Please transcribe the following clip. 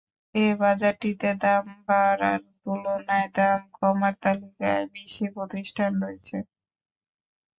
এ বাজারটিতেও দাম বাড়ার তুলনায় দাম কমার তালিকায় বেশি প্রতিষ্ঠান রয়েছে।